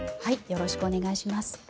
よろしくお願いします。